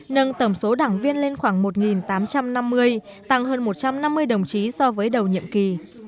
nâng tầm số đảng viên lên khoảng một tám trăm năm mươi tăng hơn một trăm năm mươi đồng chí so với đầu nhiệm kỳ